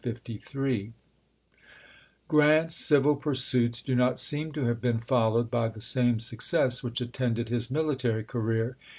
Q rant's civil pursuits do not seem to have been followed by the same success which attended his military career.